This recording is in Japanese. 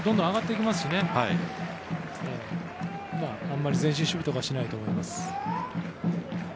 あまり前進守備とかはしないと思います。